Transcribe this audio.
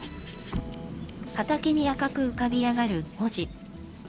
畑に赤く浮かび上がる文字。